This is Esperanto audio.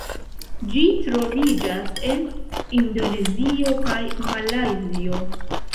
Ĝi troviĝas en Indonezio kaj Malajzio.